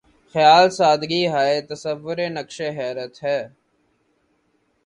خیال سادگی ہائے تصور‘ نقشِ حیرت ہے